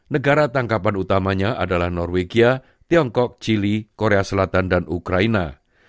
negara tangkapan utamanya adalah norwegia tiongkok chile korea selatan dan ukraina